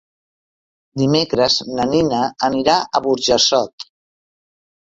Dimecres na Nina anirà a Burjassot.